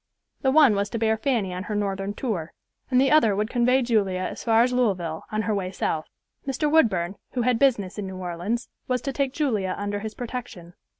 The one was to bear Fanny on her Northern tour, and the other would convey Julia as far as Louisville on her way South. Mr. Woodburn, who had business in New Orleans, was to take Julia under his protection.